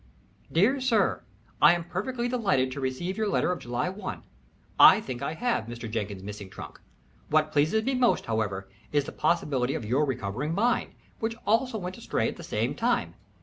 "DEAR SIR, I am perfectly delighted to receive your letter of July 1. I think I have Mr. Jenkins's missing trunk. What pleases me most, however, is the possibility of your recovering mine, which also went astray at the same time.